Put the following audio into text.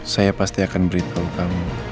saya pasti akan beritahu kamu